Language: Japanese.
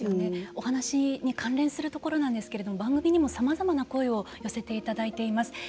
お話に関連するところなんですけれども番組にも、さまざまな声を寄せていただいています。